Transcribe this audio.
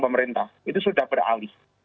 pemerintah itu sudah beralih